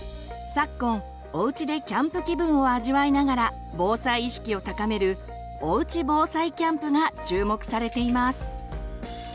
昨今おうちでキャンプ気分を味わいながら防災意識を高める「おうち防災キャンプ」が注目されています。